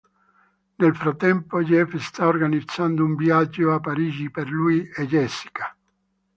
Nel frattempo, Jeff sta organizzando un viaggio a Parigi per lui e Jessica.